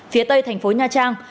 phía tây thành phố nha trang